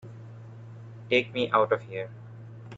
Take me out of here!